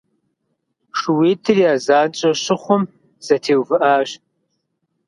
Шууитӏыр я занщӏэ щыхъум, зэтеувыӏащ.